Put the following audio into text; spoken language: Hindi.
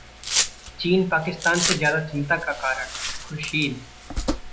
चीन, पाकिस्तान से ज्यादा चिंता का कारण: खुर्शीद